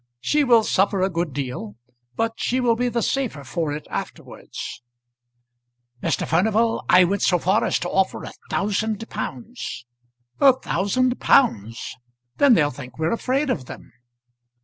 She will suffer a good deal, but she will be the safer for it afterwards." "Mr. Furnival, I went so far as to offer a thousand pounds!" "A thousand pounds! Then they'll think we're afraid of them."